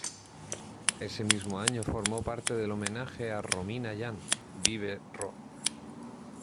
Ese mismo año formó parte del homenaje a Romina Yan, "Vive Ro".